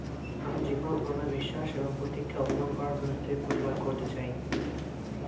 আমি যেকোন ধর্মীয় বিশ্বাস এবং প্রতীককে অপমান করার বিরুদ্ধে প্রতিবাদ করতে চাই।